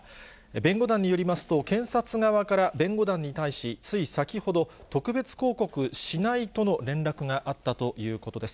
弁護団によりますと、検察側から弁護団に対し、つい先ほど、特別抗告しないとの連絡があったということです。